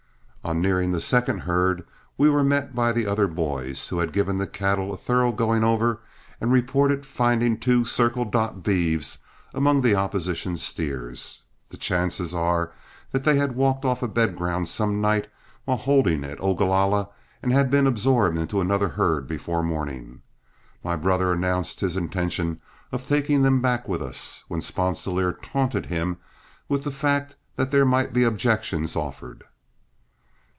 On nearing the second herd, we were met by the other boys, who had given the cattle a thorough going over and reported finding two "Circle Dot" beeves among the opposition steers. The chances are that they had walked off a bed ground some night while holding at Ogalalla and had been absorbed into another herd before morning. My brother announced his intention of taking them back with us, when Sponsilier taunted him with the fact that there might be objections offered.